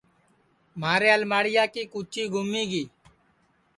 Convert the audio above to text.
مھارے الماڑیا کی کُچی گُمی گی